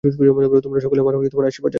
তোমরা সকলে আমার আশীর্বাদ জানিবে।